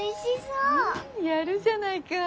うんやるじゃないか。